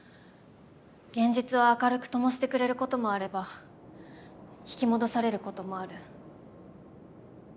現実を明るく灯してくれることもあれば引き戻されることもある。